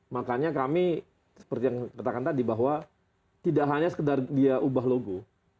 makanya kami seperti yang katakan tadi bahwa tidak hanya sekedar dia ubah logo